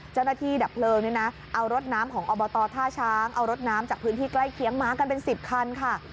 ดับเพลิงเนี่ยนะเอารถน้ำของอบตท่าช้างเอารถน้ำจากพื้นที่ใกล้เคียงม้ากันเป็น๑๐คันค่ะ